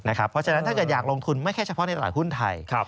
เพราะฉะนั้นถ้าเกิดอยากลงทุนไม่ใช่เฉพาะในตลาดหุ้นไทย